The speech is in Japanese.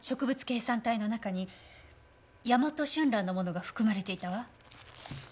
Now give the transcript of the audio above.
ケイ酸体の中にヤマトシュンランのものが含まれていたわ。